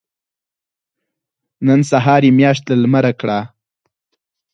نن سهار يې مياشت له لمره کړه.